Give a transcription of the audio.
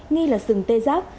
nghi là sừng tê giác